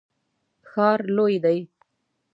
ښار لوی دی